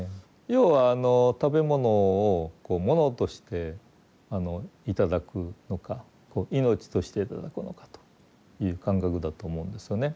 要は食べ物をこうものとして頂くのかこう命として頂くのかという感覚だと思うんですよね。